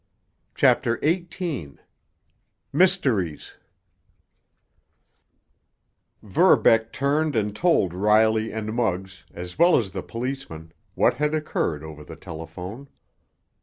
CHAPTER XVIII—MYSTERIES Verbeck turned and told Riley and Muggs, as well as the policemen, what had occurred over the telephone.